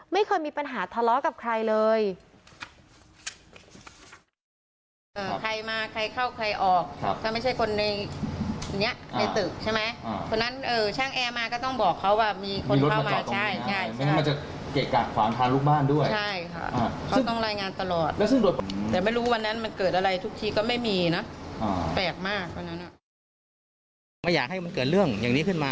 ไม่เคยมีปัญหาทะเลาะกับใครเลย